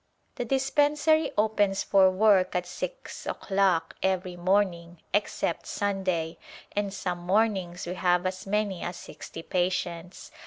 The dispensary opens for u'ork at six o'clock every morning except Sunday, and some mornings we have as many as sixty patients.